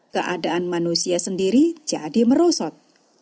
keadaan manusia sendiri jadi merosot